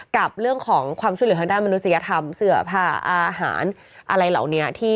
กับเรื่องของความช่วยเหลือทางด้านมนุษยธรรมเสื้อผ้าอาหารอะไรเหล่านี้